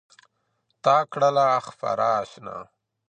تـا كــړلــه خـــپـــره اشــــنـا